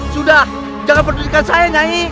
sudah jangan pedulikan saya nyanyi